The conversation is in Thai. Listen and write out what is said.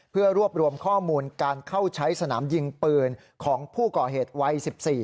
เพื่อรวบรวมข้อมูลการเข้าใช้สนามยิงปืนของผู้ก่อเหตุวัย๑๔